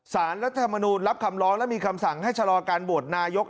รัฐธรรมนูลรับคำร้องและมีคำสั่งให้ชะลอการโหวตนายก